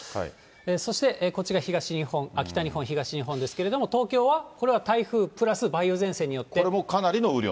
そしてこちら、東日本、北日本、東日本ですけれども、東京は、これは台風プラス梅雨前線によって。